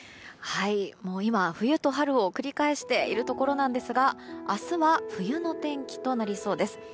今、冬と春を繰り返しているところなんですが明日は冬の天気となりそうです。